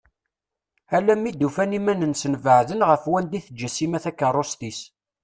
Alammi i d-ufan iman-nsen beɛden ɣef wanda i teǧǧa Sima takerrust-is.